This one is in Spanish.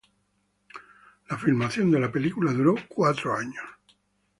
La filmación de la película duró cuatro años.